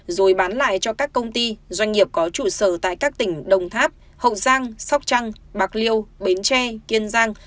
rồi bán lại cho các công ty doanh nghiệp có trụ sở tại các tỉnh đồng tháp hậu giang sóc trăng bạc liêu bến tre kiên giang